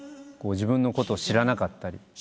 自分のことを知らなかったり。